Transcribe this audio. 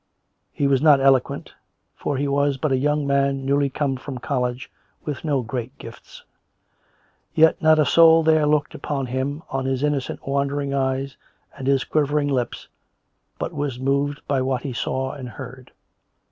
He was not eloquent, for he was but a young man newly come from college, with no great gifts. Yet not a soul there looked upon him, on his innocent, wondering eyes and his quivering lips, but was moved by what he saw and heard.